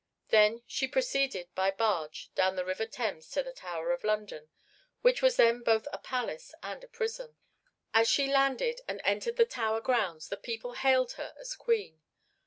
Then she proceeded by barge down the river Thames to the Tower of London, which was then both a palace and a prison. As she landed and entered the Tower grounds the people hailed her as Queen.